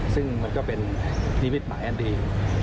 ซึ่งมันก็เป็นนิมิตหมายอันดี